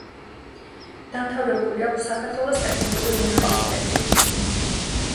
დამთავრებული აქვს საქართველოს ტექნიკური უნივერსიტეტი.